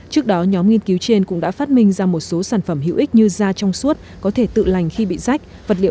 trước đó nhóm nghiên cứu trên cũng đã phát minh ra một số sản phẩm hữu ích như da trong suốt có thể tự lành khi bị rách